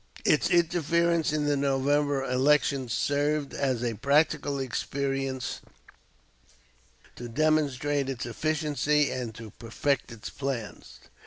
Its interference in the November election served as a practical experiment to demonstrate its efficiency and to perfect its plans.